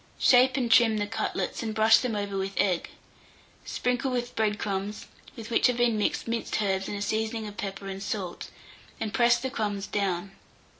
Shape and trim the cutlets, and brush them over with egg. Sprinkle with bread crumbs, with which have been mixed minced herbs and a seasoning of pepper and salt, and press the crumbs down.